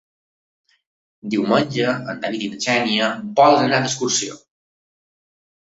Diumenge en David i na Xènia volen anar d'excursió.